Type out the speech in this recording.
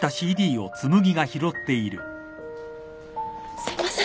すいません。